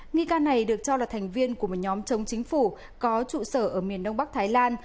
nghi can này được cho là thành viên của một nhóm chống chính phủ có trụ sở ở miền đông bắc thái lan